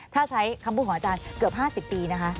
ถ้าใช้คำพูดของอาจารย์เกือบ๕๐ปีนะคะ